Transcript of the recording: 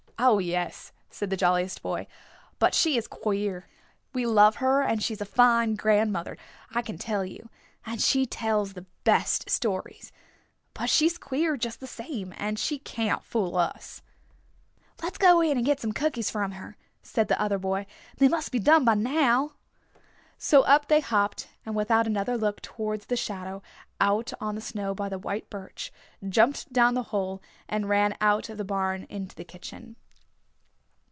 "Oh, yes," said the jolliest boy. "But she is queer. We love her, and she's a fine grandmother, I can tell you. And she tells the best stories. But she's queer just the same, and she can't fool us." "Let's go in and get some cookies from her," said the other boy. "They must be done by now." So up they hopped, and without another look towards the shadow out on the snow by the white birch, jumped down the hole, and ran out of the barn into the kitchen.